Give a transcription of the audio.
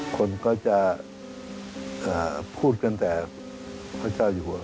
คนก็จะพูดกันแต่พระเจ้าอยู่หัว